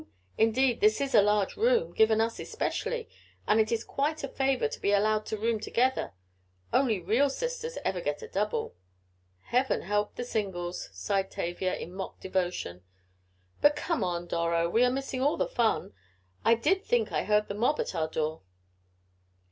Indeed this is a large room, given us especially, and it is quite a favor to be allowed to room together only real sisters ever get a double." "Heaven help the singles!" sighed Tavia in mock devotion. "But come on, Doro, we are missing all the fun. I did think I heard the mob at our door."